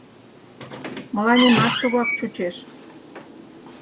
— Мыланемат тугак чучеш.